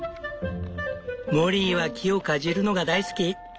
モリーは木をかじるのが大好き。